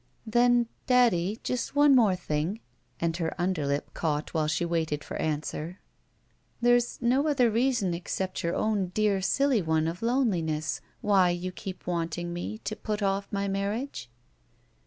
"Then, daddy, just one more thing," and her underlip caught while she waited for answer. *' There 213 GUILTY \% is no other reason except your own dear silly one of loneliness — ^why you keep wanting me to put ofiE my marriage?"